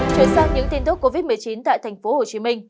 chuyển sang những tin tức covid một mươi chín tại tp hcm